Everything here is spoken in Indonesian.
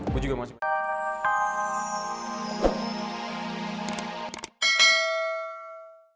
gue juga masih